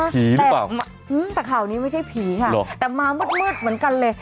ผีหรือเปล่าแต่ข่าวนี้ไม่ใช่ผีค่ะแต่มามืดเหมือนกันเลย